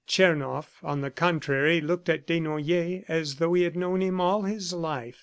Tchernoff, on the contrary, looked at Desnoyers as though he had known him all his life.